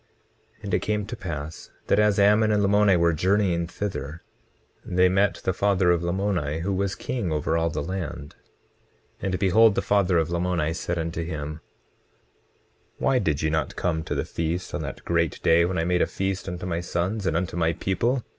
20:8 And it came to pass that as Ammon and Lamoni were journeying thither, they met the father of Lamoni, who was king over all the land. 20:9 And behold, the father of Lamoni said unto him: Why did ye not come to the feast on that great day when I made a feast unto my sons, and unto my people?